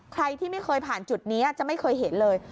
ใครที่ไม่เคยผ่านจุดนี้จะไม่เคยเห็นเลย